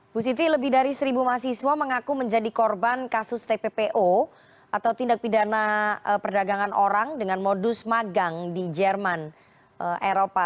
bu siti lebih dari seribu mahasiswa mengaku menjadi korban kasus tppo atau tindak pidana perdagangan orang dengan modus magang di jerman eropa